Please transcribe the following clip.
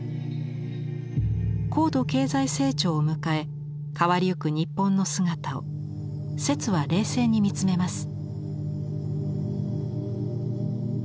高度経済成長を迎え変わりゆく日本の姿を摂は冷静に見つめます。